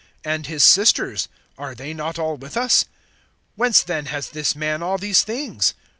(56)And his sisters, are they not all with us? Whence then has this man all these things?